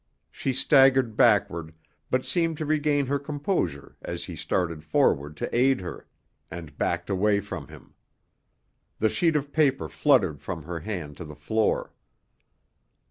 She staggered backward, but seemed to regain her composure as he started forward to aid her, and backed away from him. The sheet of paper fluttered from her hand to the floor.